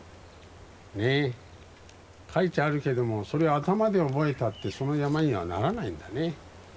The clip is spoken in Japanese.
ねえ書いてあるけどもそれを頭で覚えたってその山にはならないんだね。